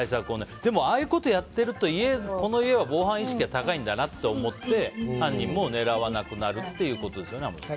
でもああいうことやってるとこの家は防犯意識が高いんだなって思って、犯人も狙わなくなるってことですよね。